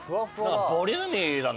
ボリューミーだね